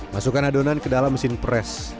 masukkan adonan ke dalam mesin pres